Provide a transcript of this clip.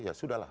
ya sudah lah